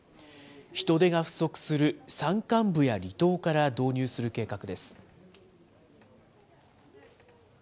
人手が不足する山間部や離島から導入する計画です。